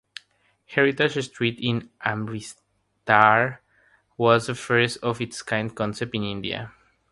Heritage Street in Amritsar was first of its kind concept in India.